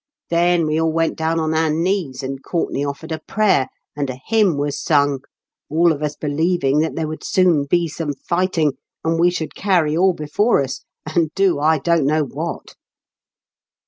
Then we all went down on our knees, and Courtenay offered a prayer, and a hjrmn was sung, all of us believing that there would soon be some fighting, and we should carry all before us, and do I don't know what.